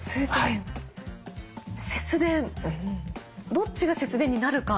どっちが節電になるか？